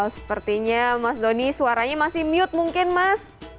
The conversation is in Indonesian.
sepertinya mas doni suaranya masih mute mungkin mas